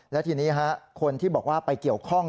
และทีนี้คนที่บอกว่าไปเกี่ยวข้อง